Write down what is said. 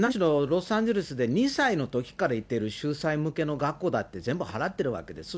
ロサンゼルスで２歳のときから行っている秀才向けの学校だって、全部払ってるわけです。